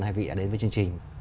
hai vị đã đến với chương trình